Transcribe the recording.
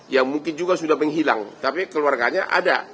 ya mungkin juga sudah menghilang tapi keluarganya ada